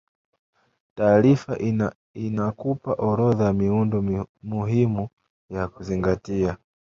taarifa inakupa orodha ya miundo muhimu ya kuzingatia